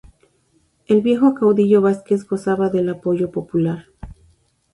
El viejo caudillo Vásquez gozaba del apoyo popular.